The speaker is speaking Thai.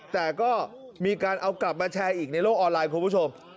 แต่ก็มีการเอากลับมาแชร์อีกในโลกออนไลน์คุณผู้ชม